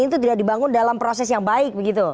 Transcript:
itu tidak dibangun dalam proses yang baik begitu